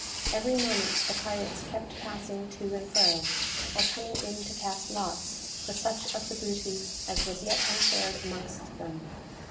Every moment the pirates kept passing to and fro, or coming in to cast lots for such of the booty as was yet unshared amongst them.